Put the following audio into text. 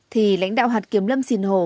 thì lãnh đạo hạt kiểm lâm xìn hồ